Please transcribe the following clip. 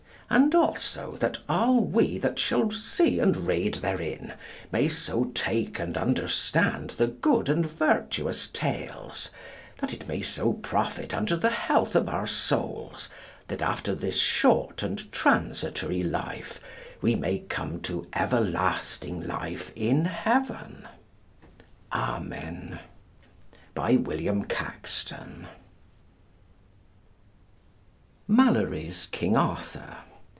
And also that all we that shall see and read therein may so take and understand the good and virtuous tales, that it may so profit unto the health of our souls that after this short and transitory life we may come to everlasting life in Heaven. Amen. BY WILLIAM CAXTON MALORY'S KING ARTHUR.